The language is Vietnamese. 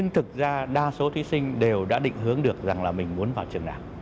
thí sinh đều đã định hướng được rằng là mình muốn vào trường nào